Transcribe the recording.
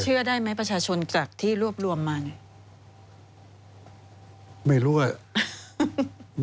เชื่อได้ไหมประชาชนจากที่รวบรวมมา